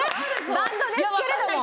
バンドですけれども。